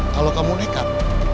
kalau kamu dekat